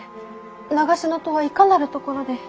長篠とはいかなる所で？